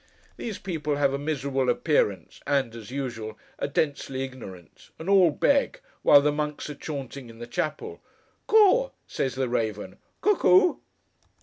These people have a miserable appearance, and (as usual) are densely ignorant, and all beg, while the monks are chaunting in the chapel. 'Caw!' says the raven, 'Cuckoo!